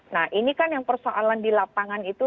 nah ini kan yang persoalan di lapangan itu